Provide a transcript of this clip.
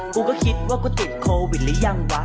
กูก็คิดว่ากูติดโควิดหรือยังวะ